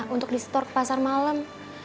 untuk di store ke pasar malam